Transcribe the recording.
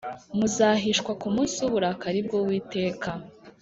Muzahishwa ku munsi w uburakari bw uwiteka